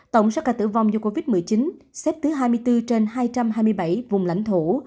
tổng số ca tử vong do covid một mươi chín xếp thứ hai mươi bốn trên hai trăm hai mươi bảy vùng lãnh thổ